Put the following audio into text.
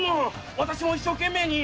私も一生懸命に！